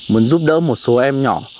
muốn giúp đỡ một số em nhỏ